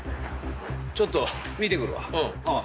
ちょっと見て来るわ。